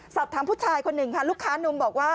สอบถามผู้ชายคนหนึ่งค่ะลูกค้านุ่มบอกว่า